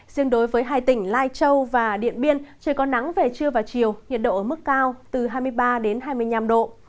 riêng đối với hai tỉnh lai châu và điện biên trời có nắng về trưa và chiều nhiệt độ ở mức cao từ hai mươi ba đến hai mươi năm độ